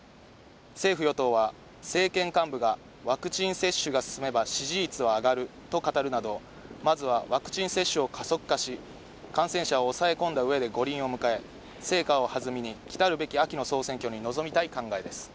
政府・与党は、政権幹部がワクチン接種が進めば支持率は上がると語るなど、まずはワクチン接種を加速化し、感染者を抑え込んだうえで五輪を迎え、成果を弾みに、きたるべき秋の総選挙に臨みたい考えです。